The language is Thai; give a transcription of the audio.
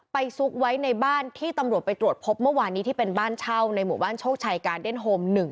ซุกไว้ในบ้านที่ตำรวจไปตรวจพบเมื่อวานนี้ที่เป็นบ้านเช่าในหมู่บ้านโชคชัยกาเดนโฮม๑